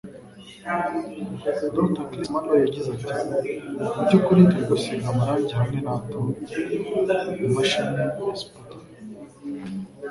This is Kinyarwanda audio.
Dr. Chris Marrows yagize ati: Mubyukuri turi gusiga amarangi hamwe na atome mumashini ya sputter.